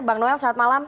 bang noel selamat malam